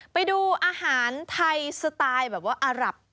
ไปดูอาหารไทยสไตล์แบบว่าอารับ